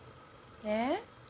えっ？